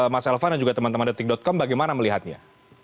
mas elvan dan juga teman teman detik com bagaimana melihatnya